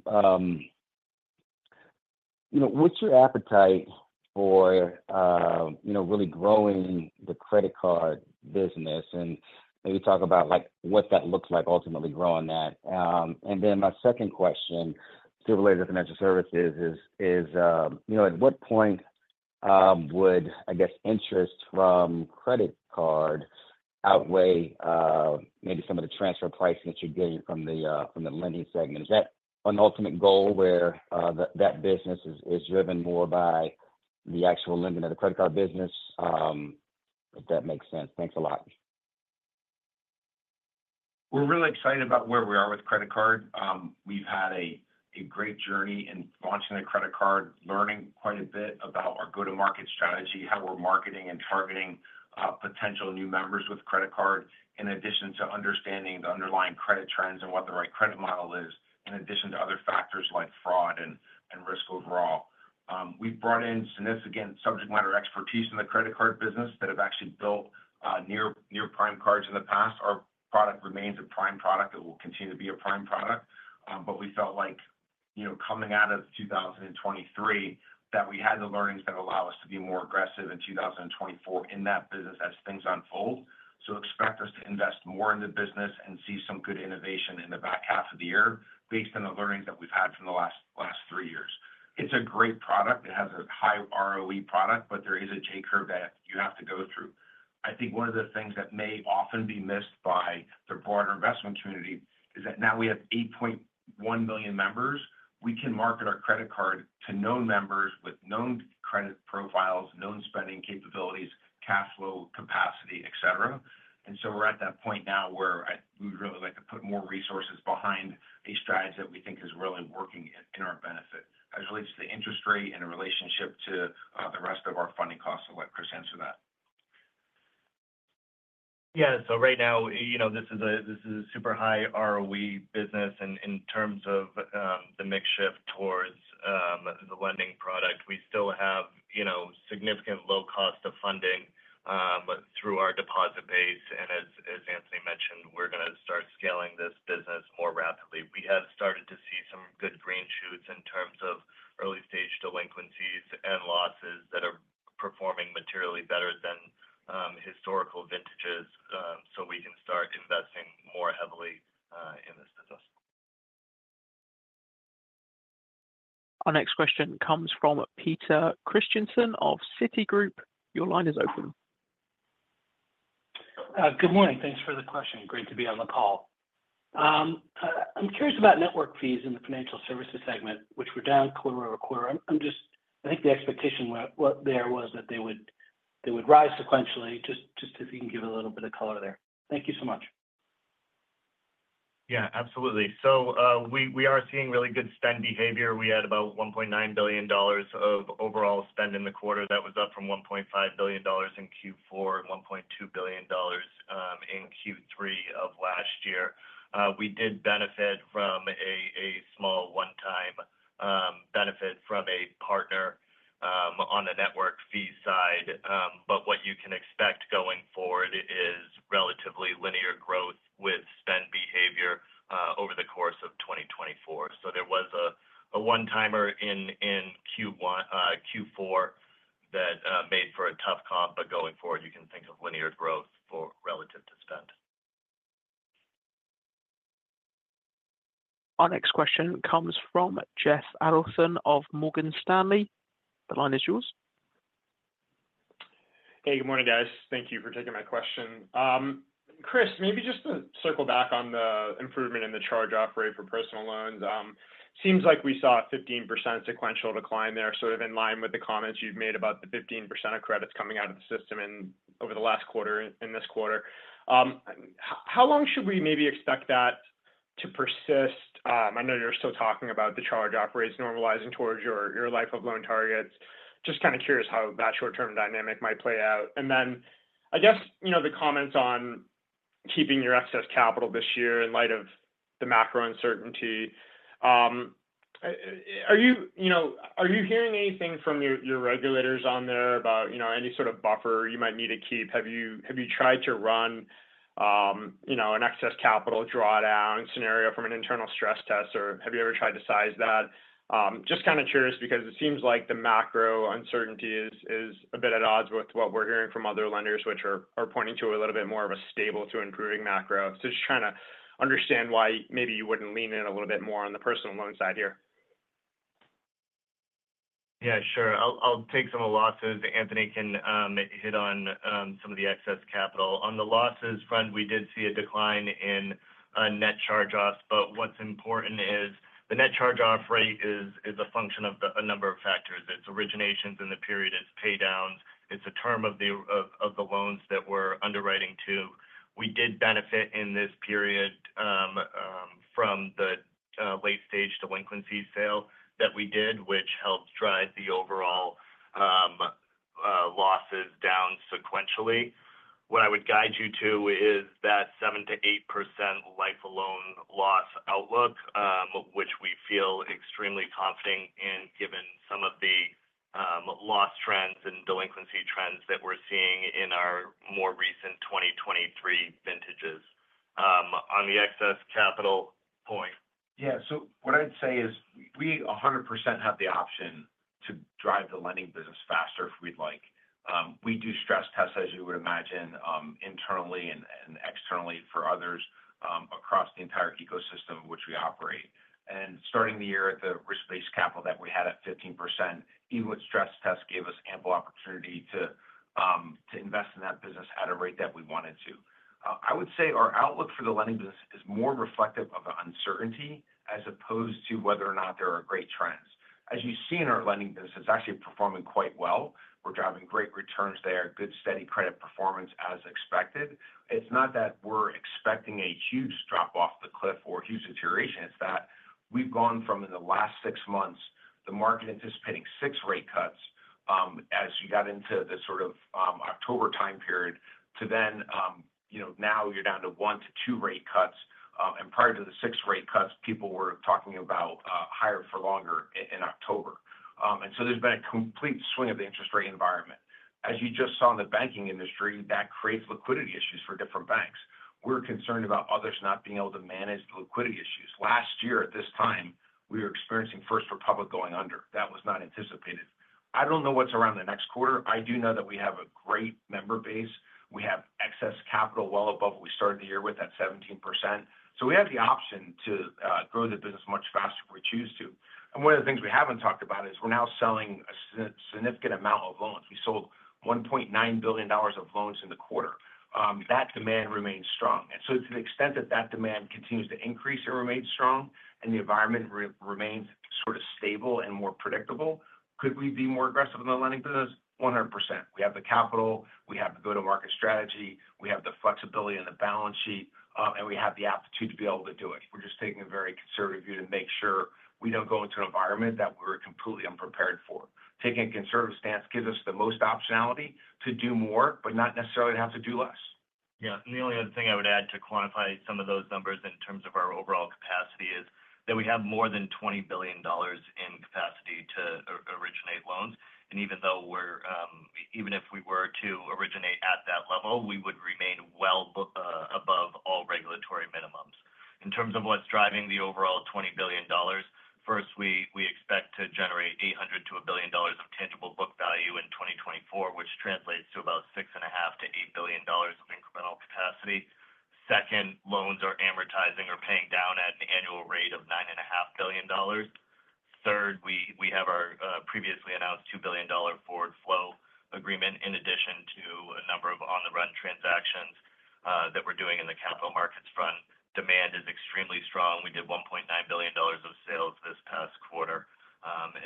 what's your appetite for you know, really growing the credit card business? And maybe talk about, like, what that looks like, ultimately growing that. And then my second question, still related to financial services is, you know, at what point would, I guess, interest from credit card outweigh maybe some of the transfer pricing that you're getting from the lending segment? Is that an ultimate goal where that business is driven more by the actual lending of the credit card business? If that makes sense. Thanks a lot. We're really excited about where we are with credit card. We've had a great journey in launching the credit card, learning quite a bit about our go-to-market strategy, how we're marketing and targeting potential new members with credit card, in addition to understanding the underlying credit trends and what the right credit model is, in addition to other factors like fraud and risk overall. We've brought in significant subject matter expertise in the credit card business that have actually built near-prime cards in the past. Our product remains a prime product, it will continue to be a prime product. But we felt like, you know, coming out of 2023, that we had the learnings that allow us to be more aggressive in 2024 in that business as things unfold. So expect us to invest more in the business and see some good innovation in the back half of the year based on the learnings that we've had from the last three years. It's a great product. It has a high ROE product, but there is a J-curve that you have to go through. I think one of the things that may often be missed by the broader investment community is that now we have 8.1 million members. We can market our credit card to known members with known credit profiles, known spending capabilities, cash flow capacity, et cetera. And so we're at that point now where we'd really like to put more resources behind a strategy that we think is really working in our benefit. As it relates to the interest rate and the relationship to the rest of our funding costs, I'll let Chris answer that. Yeah. So right now, you know, this is a super high ROE business, and in terms of the mix shift towards the lending product, we still have, you know, significant low cost of funding through our deposit base. And as Anthony mentioned, we're going to start scaling this business more rapidly. We have started to see some good green shoots in terms of early-stage delinquencies and losses that are performing materially better than historical vintages, so we can start investing more heavily in this business. Our next question comes from Peter Christiansen of Citigroup. Your line is open. Good morning. Thanks for the question. Great to be on the call. I'm curious about network fees in the financial services segment, which were down quarter-over-quarter. I'm just. I think the expectation there was that they would, they would rise sequentially. Just, just if you can give a little bit of color there. Thank you so much. Yeah, absolutely. So, we are seeing really good spend behavior. We had about $1.9 billion of overall spend in the quarter. That was up from $1.5 billion in Q4, and $1.2 billion in Q3 of last year. We did benefit from a small one-time benefit from a partner on the network fee side. But what you can expect going forward is relatively linear growth with spend behavior over the course of 2024. So there was a one-timer in Q1, Q4 that made for a tough comp, but going forward, you can think of linear growth for relative to spend. Our next question comes from Jeff Adelson of Morgan Stanley. The line is yours. Hey, good morning, guys. Thank you for taking my question. Chris, maybe just to circle back on the improvement in the charge-off rate for personal loans. Seems like we saw a 15% sequential decline there, sort of in line with the comments you've made about the 15% of credits coming out of the system in, over the last quarter and this quarter. How long should we maybe expect that to persist? I know you're still talking about the charge-off rates normalizing towards your, your life-of-loan targets. Just kind of curious how that short-term dynamic might play out. And then, I guess, you know, the comments on keeping your excess capital this year in light of the macro uncertainty. Are you, you know, hearing anything from your regulators on there about, you know, any sort of buffer you might need to keep? Have you tried to run, you know, an excess capital drawdown scenario from an internal stress test, or have you ever tried to size that? Just kind of curious because it seems like the macro uncertainty is a bit at odds with what we're hearing from other lenders, which are pointing to a little bit more of a stable to improving macro. So just trying to understand why maybe you wouldn't lean in a little bit more on the personal loan side here. Yeah, sure. I'll take some of the losses. Anthony can hit on some of the excess capital. On the losses front, we did see a decline in net charge-offs, but what's important is the net charge-off rate is a function of a number of factors. It's originations in the period, it's paydowns, it's the term of the loans that we're underwriting to. We did benefit in this period from the late-stage delinquency sale that we did, which helped drive the overall losses down sequentially. What I would guide you to is that 7%-8% life of loan loss outlook, which we feel extremely confident in, given some of the loss trends and delinquency trends that we're seeing in our more recent 2023 vintages. On the excess capital point- Yeah. So what I'd say is, we 100% have the option to drive the lending business faster if we'd like. We do stress tests, as you would imagine, internally and externally for others across the entire ecosystem in which we operate. And starting the year at the risk-based capital that we had at 15%, even with stress test, gave us ample opportunity to invest in that business at a rate that we wanted to. I would say our outlook for the lending business is more reflective of the uncertainty as opposed to whether or not there are great trends. As you see in our lending business, it's actually performing quite well. We're driving great returns there, good, steady credit performance as expected. It's not that we're expecting a huge drop off the cliff or huge deterioration, it's that we've gone from, in the last six months, the market anticipating 6 rate cuts, as you got into the sort of October time period, to then, you know, now you're down to 1-2 rate cuts. And prior to the 6 rate cuts, people were talking about higher for longer in October. And so there's been a complete swing of the interest rate environment. As you just saw in the banking industry, that creates liquidity issues for different banks. We're concerned about others not being able to manage the liquidity issues. Last year, at this time, we were experiencing First Republic going under. That was not anticipated. I don't know what's around the next quarter. I do know that we have a great member base. We have excess capital well above what we started the year with at 17%. So we have the option to grow the business much faster if we choose to. And one of the things we haven't talked about is we're now selling a significant amount of loans. We sold $1.9 billion of loans in the quarter. That demand remains strong. And so to the extent that that demand continues to increase and remains strong, and the environment remains sort of stable and more predictable, could we be more aggressive in the lending business? 100%. We have the capital, we have the go-to-market strategy, we have the flexibility in the balance sheet, and we have the aptitude to be able to do it. We're just taking a very conservative view to make sure we don't go into an environment that we're completely unprepared for. Taking a conservative stance gives us the most optionality to do more, but not necessarily to have to do less. Yeah, and the only other thing I would add to quantify some of those numbers in terms of our overall capacity is that we have more than $20 billion in capacity to originate loans. And even though we're even if we were to originate at that level, we would remain well above all regulatory minimums. In terms of what's driving the overall $20 billion, first, we expect to generate $800 million-$1 billion of tangible book value in 2024, which translates to about $6.5 billion-$8 billion of incremental capacity. Second, loans are amortizing or paying down at an annual rate of $9.5 billion. Third, we, we have our previously announced $2 billion forward flow agreement, in addition to a number of on-the-run transactions that we're doing in the capital markets front. Demand is extremely strong. We did $1.9 billion of sales this past quarter.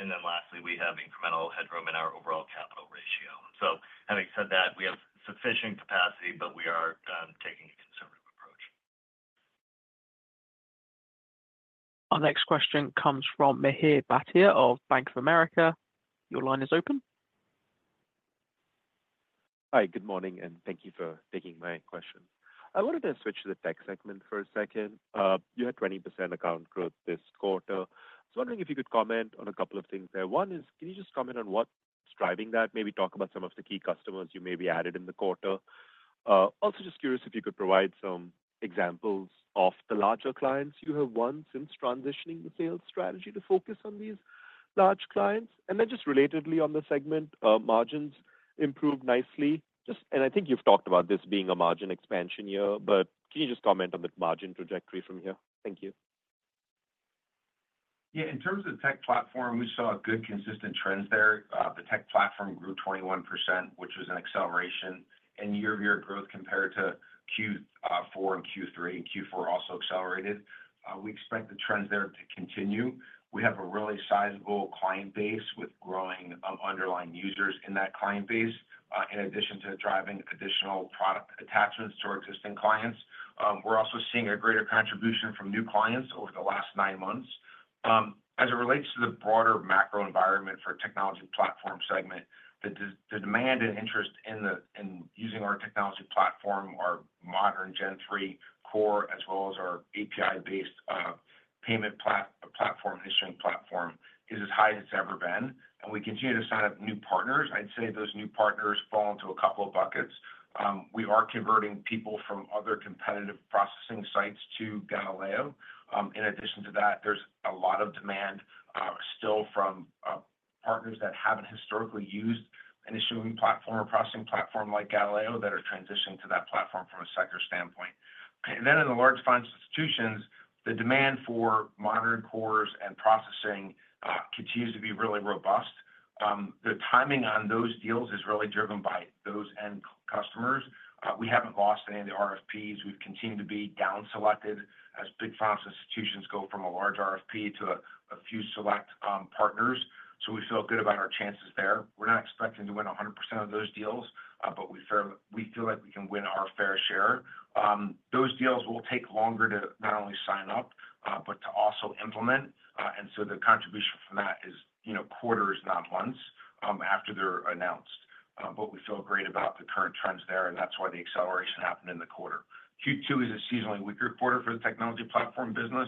And then lastly, we have incremental headroom in our overall capital ratio. So having said that, we have sufficient capacity, but we are taking a conservative approach. Our next question comes from Mihir Bhatia of Bank of America. Your line is open. Hi, good morning, and thank you for taking my question. I wanted to switch to the tech segment for a second. You had 20% account growth this quarter. I was wondering if you could comment on a couple of things there. One is, can you just comment on what's driving that? Maybe talk about some of the key customers you maybe added in the quarter. Also just curious if you could provide some examples of the larger clients you have won since transitioning the sales strategy to focus on these large clients. And then just relatedly on the segment, margins improved nicely. And I think you've talked about this being a margin expansion year, but can you just comment on the margin trajectory from here? Thank you. Yeah. In terms of the tech platform, we saw good consistent trends there. The tech platform grew 21%, which was an acceleration in year-over-year growth compared to Q4 and Q3. Q4 also accelerated. We expect the trends there to continue. We have a really sizable client base with growing underlying users in that client base. In addition to driving additional product attachments to our existing clients, we're also seeing a greater contribution from new clients over the last 9 months. As it relates to the broader macro environment for technology platform segment, the demand and interest in using our technology platform, our modern Gen 3 core, as well as our API-based payment platform, issuing platform, is as high as it's ever been, and we continue to sign up new partners. I'd say those new partners fall into a couple of buckets. We are converting people from other competitive processing sites to Galileo. In addition to that, there's a lot of demand still from partners that haven't historically used an issuing platform or processing platform like Galileo, that are transitioning to that platform from a sector standpoint. And then in the large financial institutions, the demand for modern cores and processing continues to be really robust. The timing on those deals is really driven by those end customers. We haven't lost any of the RFPs. We've continued to be down selected as big financial institutions go from a large RFP to a few select partners. So we feel good about our chances there. We're not expecting to win 100% of those deals, but we feel, we feel like we can win our fair share. Those deals will take longer to not only sign up, but to also implement, and so the contribution from that is, you know, quarters, not months, after they're announced. But we feel great about the current trends there, and that's why the acceleration happened in the quarter. Q2 is a seasonally weaker quarter for the technology platform business,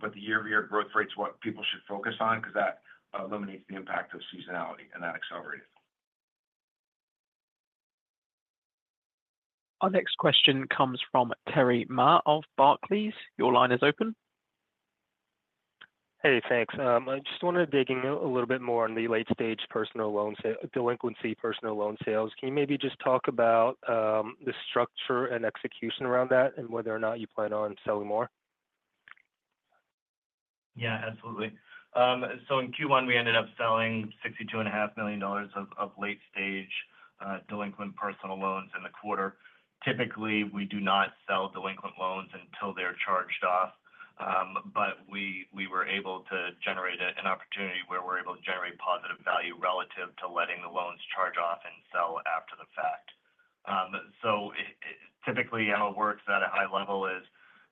but the year-over-year growth rate is what people should focus on because that eliminates the impact of seasonality and that acceleration. Our next question comes from Terry Ma of Barclays. Your line is open. Hey, thanks. I just wanted to dig in a little bit more on the late-stage personal loan sale... delinquency personal loan sales. Can you maybe just talk about, the structure and execution around that and whether or not you plan on selling more? Yeah, absolutely. So in Q1, we ended up selling $62.5 million of late-stage delinquent personal loans in the quarter. Typically, we do not sell delinquent loans until they're charged off. But we were able to generate an opportunity where we're able to generate positive value relative to letting the loans charge off and sell after the fact. So typically, how it works at a high level is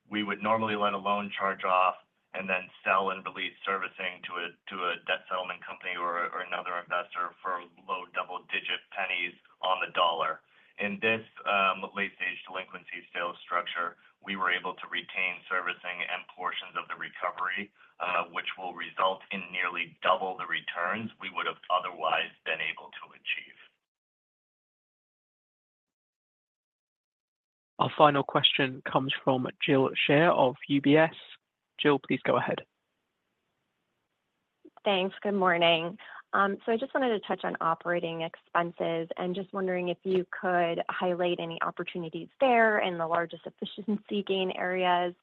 we would normally let a loan charge off and then sell and release servicing to a debt settlement company or another investor for low double-digit pennies on the dollar. In this late-stage delinquency sales structure, we were able to retain servicing and portions of the recovery, which will result in nearly double the returns we would have otherwise been able to achieve. Our final question comes from Jill Shea of UBS. Jill, please go ahead. Thanks. Good morning. So I just wanted to touch on operating expenses and just wondering if you could highlight any opportunities there and the largest efficiency gain areas?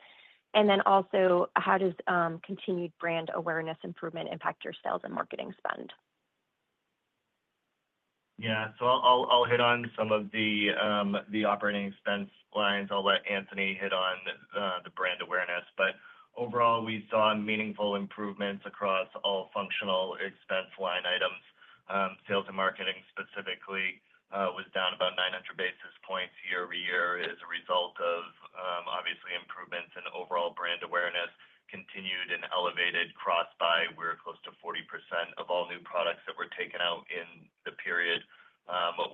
And then also, how does continued brand awareness improvement impact your sales and marketing spend? Yeah. So I'll hit on some of the operating expense lines. I'll let Anthony hit on the brand awareness. But overall, we saw meaningful improvements across all functional expense line items. Sales and marketing specifically was down about 900 basis points year-over-year as a result of obviously improvements in overall brand awareness, continued and elevated cross-buy, where close to 40% of all new products that were taken out in the period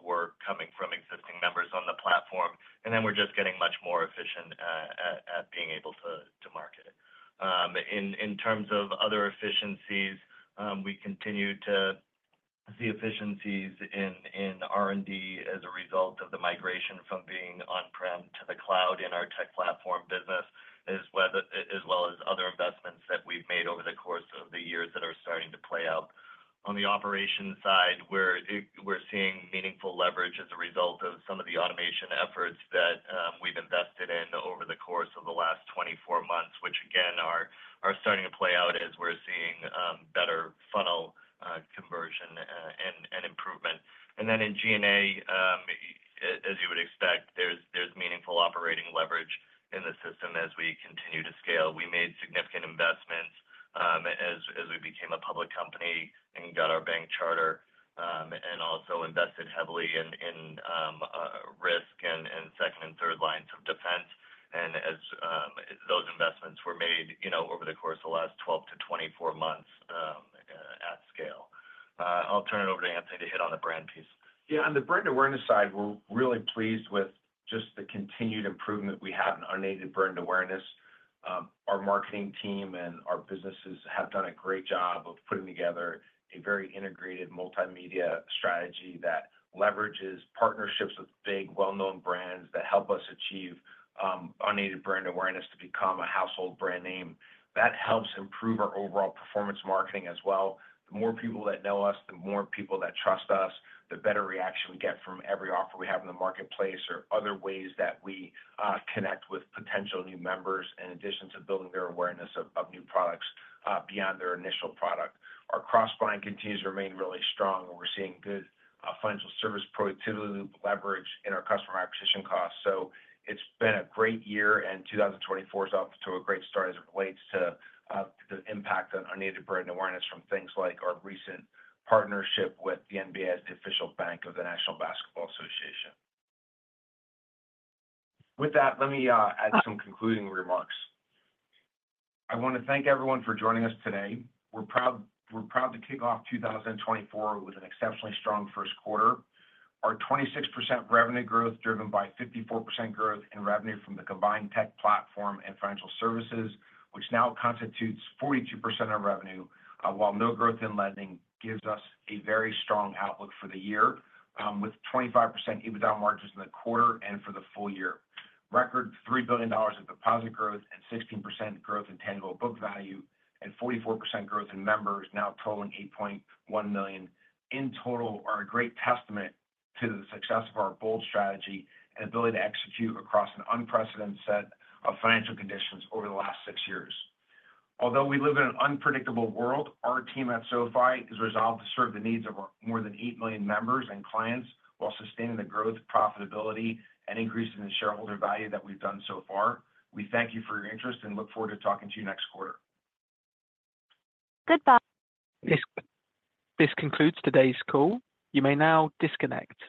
were coming from existing members on the platform. And then we're just getting much more efficient at being able to market it. In terms of other efficiencies, we continue to see efficiencies in R&D as a result of the migration from being on-prem to the cloud in our tech platform business, as whether... as well as other investments that we've made over the course of the years that are starting to play out. On the operations side, we're seeing meaningful leverage as a result of some of the automation efforts that we've invested in over the course of the last 24 months, which again, are starting to play out as we're seeing better funnel conversion and improvement. And then in G&A, as you would expect, there's meaningful operating leverage in the system as we continue to scale. We made significant investments as we became a public company and got our bank charter, and also invested heavily in risk and second and third lines of defense. And as those investments were made, you know, over the course of the last 12-24 months, at scale. I'll turn it over to Anthony to hit on the brand piece. Yeah, on the brand awareness side, we're really pleased with just the continued improvement we have in unaided brand awareness. Our marketing team and our businesses have done a great job of putting together a very integrated multimedia strategy that leverages partnerships with big, well-known brands that help us achieve unaided brand awareness to become a household brand name. That helps improve our overall performance marketing as well. The more people that know us, the more people that trust us, the better reaction we get from every offer we have in the marketplace or other ways that we connect with potential new members in addition to building their awareness of new products beyond their initial product. Our cross-buying continues to remain really strong, and we're seeing good financial service productivity leverage in our customer acquisition costs. So it's been a great year, and 2024 is off to a great start as it relates to the impact on unaided brand awareness from things like our recent partnership with the NBA as the official bank of the National Basketball Association. With that, let me add some concluding remarks. I want to thank everyone for joining us today. We're proud, we're proud to kick off 2024 with an exceptionally strong first quarter. Our 26% revenue growth, driven by 54% growth in revenue from the combined tech platform and financial services, which now constitutes 42% of revenue, while no growth in lending, gives us a very strong outlook for the year, with 25% EBITDA margins in the quarter and for the full year. Record $3 billion of deposit growth and 16% growth in tangible book value and 44% growth in members, now totaling 8.1 million in total, are a great testament to the success of our bold strategy and ability to execute across an unprecedented set of financial conditions over the last 6 years. Although we live in an unpredictable world, our team at SoFi is resolved to serve the needs of our more than 8 million members and clients while sustaining the growth, profitability, and increase in the shareholder value that we've done so far. We thank you for your interest and look forward to talking to you next quarter. Goodbye. This concludes today's call. You may now disconnect.